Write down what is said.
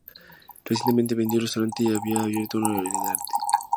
Recientemente vendió el restaurante y ha abierto una galería de arte.